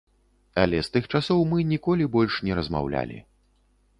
Але з тых часоў мы ніколі больш не размаўлялі.